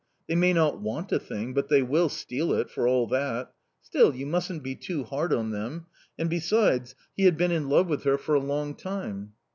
They may not want a thing, but they will steal it, for all that. Still, you mustn't be too hard on them. And, besides, he had been in love with her for a long time."